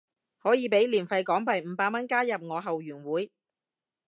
可以俾年費港幣五百蚊加入我後援會